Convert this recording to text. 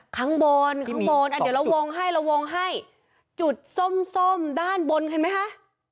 ข้างบนข้างบนอ่ะเดี๋ยวเราวงให้เราวงให้จุดส้มส้มด้านบนเห็นไหมคะ